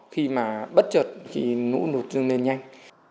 khi mà bất chợt thì lũ lụt dâng lên nhanh